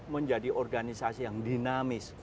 menjadi organisasi yang dinamis